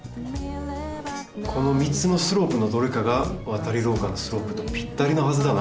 この３つのスロープのどれかがわたりろうかのスロープとぴったりなはずだな。